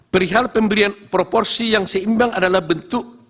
perihal pemberian proporsi yang seimbang adalah bentuk